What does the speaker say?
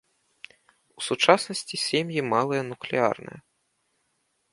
У сучаснасці сем'і малыя нуклеарныя.